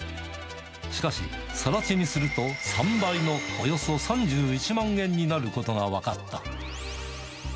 しかし、さら地にすると、３倍のおよそ３１万円になることが分かった。